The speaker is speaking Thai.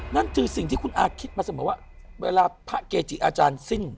นั่นคือสิ่งที่คุณอาคิดมาเสมอว่าเวลาพระเกจิอาจารย์สิ้น